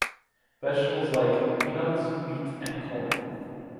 Vegetables like: peanuts, wheat and corn.